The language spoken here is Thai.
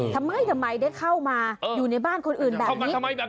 ทำไมทำไมได้เข้ามาอยู่ในบ้านคนอื่นแบบนี้